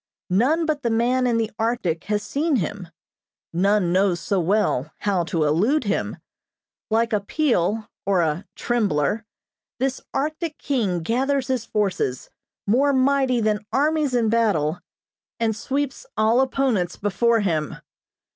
None but the man in the Arctic has seen him. None know so well how to elude him. Like a Peele, or a "tremblor" this Arctic king gathers his forces, more mighty than armies in battle, and sweeps all opponents before him.